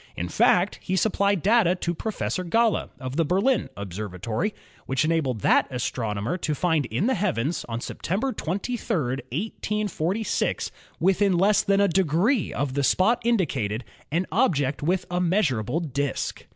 In fact, he supplied data to Professor Galle, of the Berlin Observatory, which enabled that astronomer to find in the heavens on September 23, 1846, within less than a degree of the spot indicated an object with a measurable disk.